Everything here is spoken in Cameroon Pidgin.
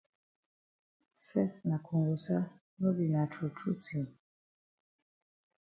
Sef na kongosa no be na true true tin?